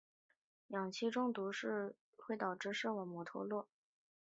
氧气中毒造成的眼部氧化损伤可能导致近视或部分视网膜脱落。